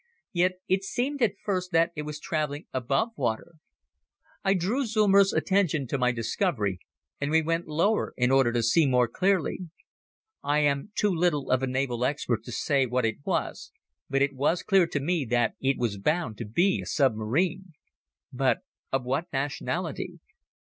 Yet it seemed at first that it was traveling above water. I drew Zeumer's attention to my discovery and we went lower in order to see more clearly. I am too little of a naval expert to say what it was but it was clear to me that it was bound to be a submarine. But of what nationality?